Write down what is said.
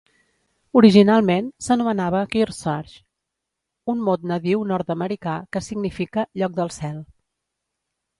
Originalment s'anomenava "Kearsarge", un mot nadiu nord-americà que significa "lloc del cel".